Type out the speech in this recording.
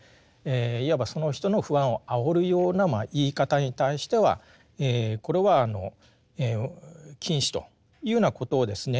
いわばその人の不安をあおるような言い方に対してはこれは禁止というようなことをですね